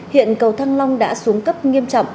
hiện cầu thăng long đã xuống cấp nghiêm trọng